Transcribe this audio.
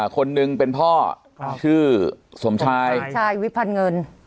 คนหนึ่งเป็นพ่อชื่อสมชายชายวิพันธ์เงิน